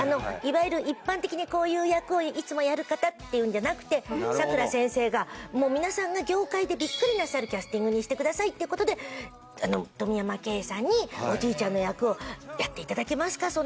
いわゆる一般的にこういう役をいつもやる方っていうんじゃなくてさくら先生が「もう皆さんが業界でビックリなさるキャスティングにしてください」って事で富山敬さんにおじいちゃんの役をやって頂けますか？